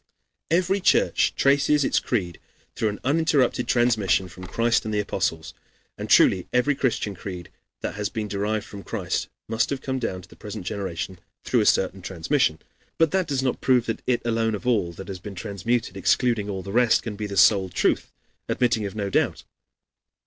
Every church traces its creed through an uninterrupted transmission from Christ and the Apostles. And truly every Christian creed that has been derived from Christ must have come down to the present generation through a certain transmission. But that does not prove that it alone of all that has been transmuted, excluding all the rest, can be the sole truth, admitting of no doubt.